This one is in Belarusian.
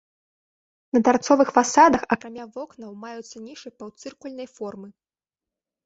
На тарцовых фасадах акрамя вокнаў маюцца нішы паўцыркульнай формы.